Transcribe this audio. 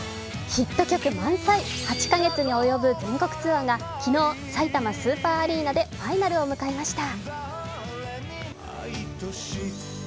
ヒット曲満載、８カ月に及ぶ全国ツアーが昨日、さいたまスーパーアリーナでファイナルを迎えました。